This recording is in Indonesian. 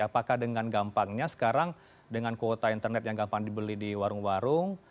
apakah dengan gampangnya sekarang dengan kuota internet yang gampang dibeli di warung warung